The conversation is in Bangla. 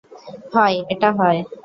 হয়, এটা হয়।